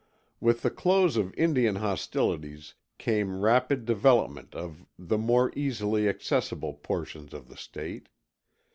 With the close of Indian hostilities came rapid development of the more easily accessible portions of the state.